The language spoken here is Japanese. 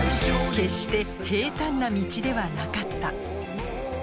決して平坦な道ではなかった。